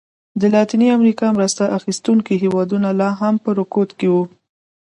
د لاتینې امریکا مرسته اخیستونکي هېوادونه لا هم په رکود کې وو.